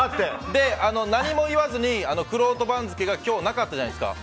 で、何も言わずにくろうと番付が今日なかったじゃないですか。